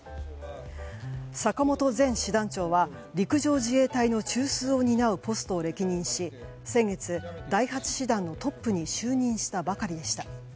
坂本前師団長は、陸上自衛隊の中枢を担うポストを歴任し先月、第８師団のトップに就任したばかりでした。